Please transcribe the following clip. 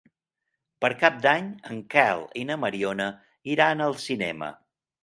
Per Cap d'Any en Quel i na Mariona iran al cinema.